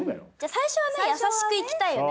最初はねやさしくいきたいよね